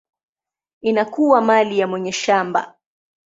inakuwa mali ya mwenye shamba.